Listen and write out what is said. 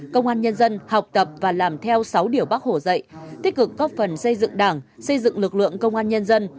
công an nhân dân học tập và làm theo sáu điều bác hồ dạy tích cực góp phần xây dựng đảng xây dựng lực lượng công an nhân dân